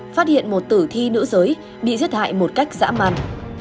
phát hiện một tử thi nữ giới bị giết hại một cách dã man